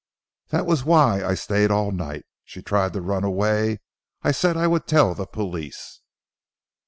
That was why I stayed all night. She tried to run away. I said I would tell the police."